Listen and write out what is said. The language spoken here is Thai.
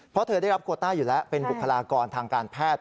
เพราะเธอได้รับโคต้าอยู่แล้วเป็นบุคลากรทางการแพทย์